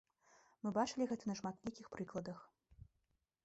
Мы бачылі гэта на шматлікіх прыкладах.